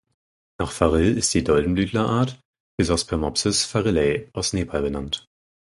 Nach Farille ist die Doldenblütlerart "Physospermopsis farillei" aus Nepal benannt.